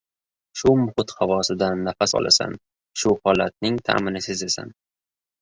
shu muhit havosidan nafas olasan, shu holatning ta’mini sezasan.